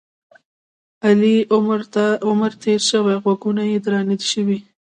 علي عمر تېر شوی؛ غوږونه یې درانه شوي.